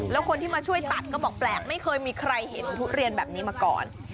แล้วคนที่มาช่วยตัดก็บอกแปลกไม่เคยมีใครเห็นทุเรียนแบบนี้มาก่อน